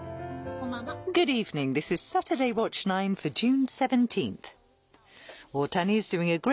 こんばんは。